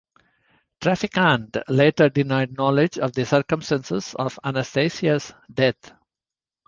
Trafficante later denied knowledge of the circumstances of Anastasia's death.